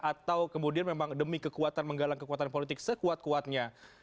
atau kemudian memang demi kekuatan menggalang kekuatan politik sekuat kuatnya